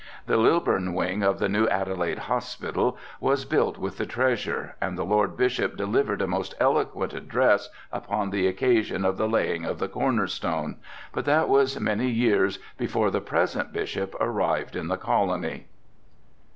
The Lilburn wing of the new Adelaide Hospital was built with the treasure and the Lord Bishop delivered a most eloquent address upon the occasion of the laying of the corner stone, but that was many years before the present bishop arrived in the colony.